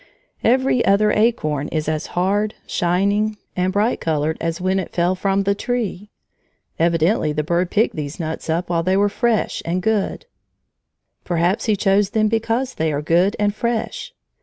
Every other acorn is as hard, shining, and bright colored as when it fell from the tree. Evidently the bird picked these nuts up while they were fresh and good; perhaps he chose them because they were good and fresh.